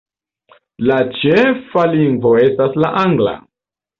La ĉefa lingvo estas la Angla.